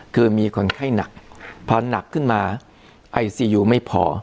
คือมีคนไข้หนักพอหนักขึ้นมาไอซียูไม่พอ